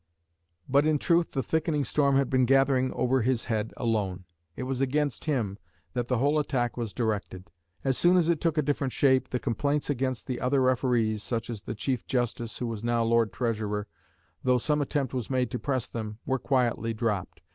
But in truth the thickening storm had been gathering over his head alone. It was against him that the whole attack was directed; as soon as it took a different shape, the complaints against the other referees, such as the Chief Justice, who was now Lord Treasurer, though some attempt was made to press them, were quietly dropped.